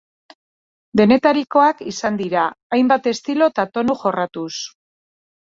Denetarikoak izango dira, hainbat estilo eta tonu jorratuz.